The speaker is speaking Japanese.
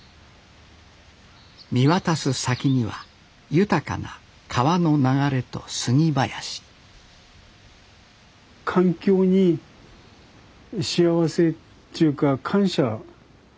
見渡す先には豊かな川の流れと杉林環境に幸せっちゅうか感謝の気持ち持ってやってる。